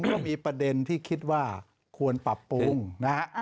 ก็มีประเด็นที่คิดว่าควรปรับปรุงนะฮะ